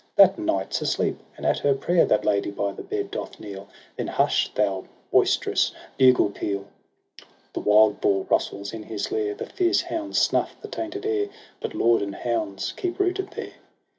That Knighfs asleep, and at her prayer That Lady by the bed doth kneel — Then hush, thou boisterous bugle peal T — The wild boar rustles in his lair; The fierce hounds snuff the tainted air ; But lord and hounds keep rooted there.